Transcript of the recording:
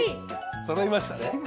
そろいましたね。